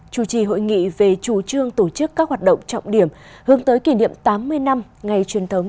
chủ trì hội nghị về chủ trương tổ chức các hoạt động trọng điểm hướng tới kỷ niệm tám mươi năm ngày truyền thống